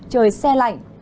trời xe lạnh